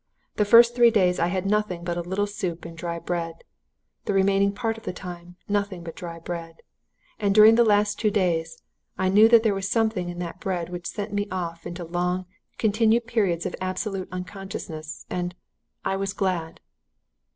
The first three days I had nothing but a little soup and dry bread the remaining part of the time, nothing but dry bread. And during the last two days, I knew that there was something in that bread which sent me off into long, continued periods of absolute unconsciousness. And I was glad!